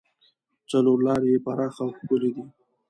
څلور لارې یې پراخه او ښکلې دي.